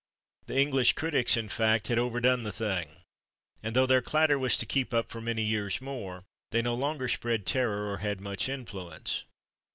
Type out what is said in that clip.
The English critics, in fact, had overdone the thing, and though their clatter was to keep up for many years more, they no longer spread terror or had much influence.